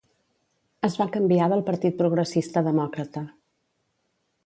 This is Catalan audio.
Es va canviar del Partit Progressista Demòcrata.